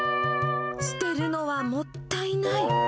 捨てるのはもったいない。